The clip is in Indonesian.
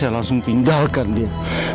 harus memindahkan dia